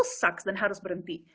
karena itu sucks dan harus berhenti